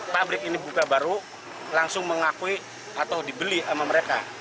pabrik ini buka baru langsung mengakui atau dibeli sama mereka